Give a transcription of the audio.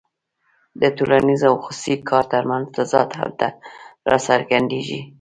د ټولنیز او خصوصي کار ترمنځ تضاد هلته راڅرګندېږي